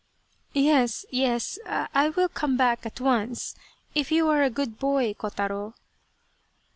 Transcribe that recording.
" Yes, yes, I will come back at once, if you are a good boy, Kotaro."